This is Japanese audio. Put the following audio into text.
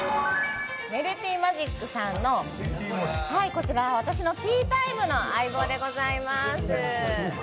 ＭＥＬＴＹＭＡＧＩＣさんのこちら私のティータイムの相棒でございます。